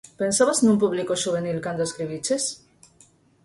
Pensabas nun público xuvenil cando a escribiches?